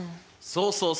そうそうそう。